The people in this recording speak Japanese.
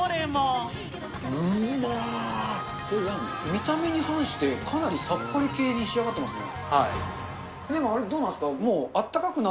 見た目に反して、かなりさっぱり系に仕上がってますね。